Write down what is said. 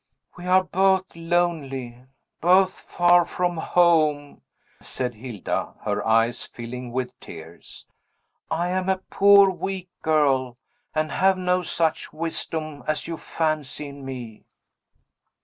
"We are both lonely; both far from home!" said Hilda, her eyes filling with tears. "I am a poor, weak girl, and have no such wisdom as you fancy in me."